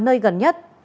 nơi gần nhất